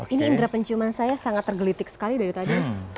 ini indera penciuman saya sangat tergelitik sekali dari tadi